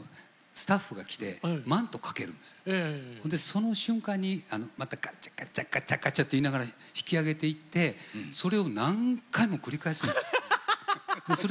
その瞬間にまたガチャガチャガチャと言いながら引き上げていってそれを何回も繰り返すんです。